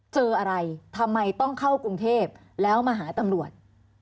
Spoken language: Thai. เจออะไรทำไมต้องเข้ากรุงเทพแล้วมาหาตำรวจ